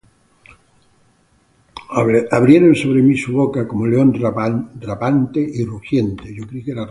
Abrieron sobre mí su boca, Como león rapante y rugiente.